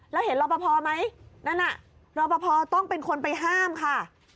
แล้วเห็นรอปภไหมนั่นน่ะรอปภต้องเป็นคนไปห้ามค่ะ